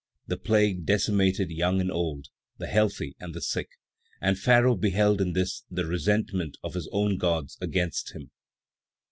The plague decimated young and old, the healthy and the sick; and Pharaoh beheld in this the resentment of his own gods against him.